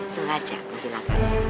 sengaja menghilangkan dia